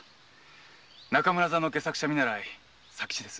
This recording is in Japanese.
中村座の戯作者見習い左吉です。